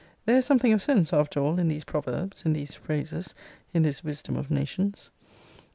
There is something of sense, after all in these proverbs, in these phrases, in this wisdom of nations.